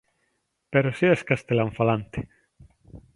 Pero se es castelanfalante.